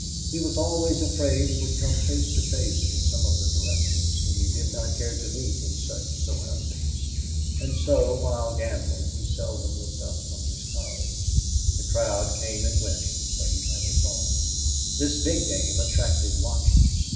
He was always afraid he would come face to face with some of the directors, whom he did not care to meet in such surroundings. And so, while gambling, he seldom looked up from his cards. The crowd came and went, but he never saw it. This big game attracted watchers.